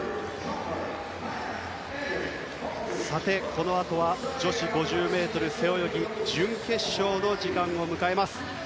このあとは女子５０ｍ背泳ぎ準決勝の時間を迎えます。